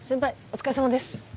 お疲れさまです